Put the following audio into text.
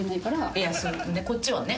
いやこっちはね。